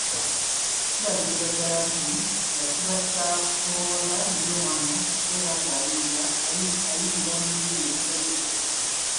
Kirabikira ddala nga kiba kya kusomooza eri omwana okubeera ng’ayigira mu Lulimi olutali lulwe.